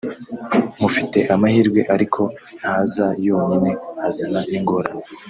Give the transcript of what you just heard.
Mufite amahirwe ariko ntaza yonyine azana n’ingorane